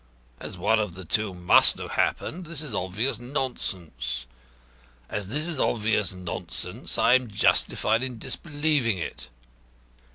As one of the two must have happened, this is obvious nonsense. As this is obvious nonsense I am justified in disbelieving it.